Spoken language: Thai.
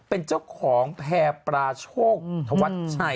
เป็นเจ้าของแผ่ปลาโชกถวัดสัพ